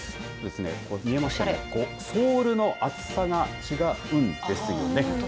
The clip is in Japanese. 見えますかねソールの厚さが違うんですよね。